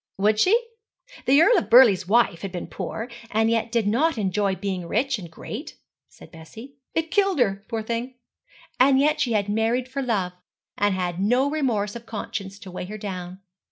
'Would she? The Earl of Burleigh's wife had been poor, and yet did not enjoy being rich and great,' said Bessie. 'It killed her, poor thing. And yet she had married for love, and had no remorse of conscience to weigh her down.'